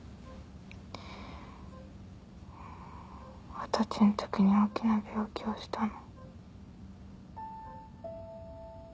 二十歳の時に大きな病気をしたの。